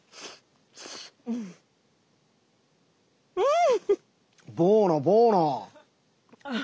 うん！